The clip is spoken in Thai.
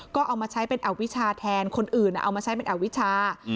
ก็เอามาใช้เป็นอวิชาแทนคนอื่นเอามาใช้เป็นอวิชา